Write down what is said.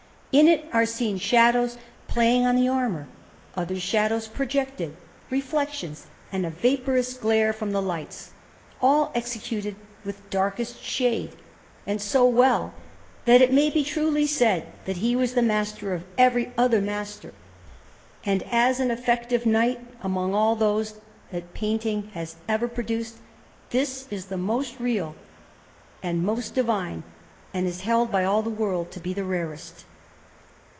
In it are seen shadows playing on the armour, other shadows projected, reflections, and a vaporous glare from the lights, all executed with darkest shade, and so well, that it may be truly said that he was the master of every other master; and as an effect of night, among all those that painting has ever produced, this is the most real and most divine, and is held by all the world to be the rarest.